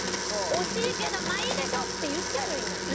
「惜しいけどまあいいでしょう！」って言っちゃえばいいんだもん。